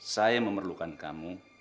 saya memerlukan kamu